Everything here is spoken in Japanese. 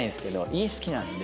家好きなので。